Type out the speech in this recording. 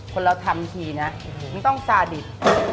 คนเราทำทีนะไม่ต้องซาดิบ